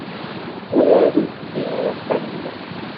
Werɛad ur bniɣ ara axxam-nni.